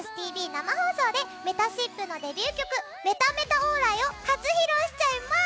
生放送でめたしっぷのデビュー曲『メタメタオーライ！』を初披露しちゃいます！